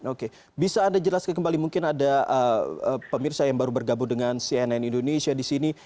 oke bisa anda jelaskan kembali mungkin ada pemirsa yang baru bergabung dengan cnn indonesia di sini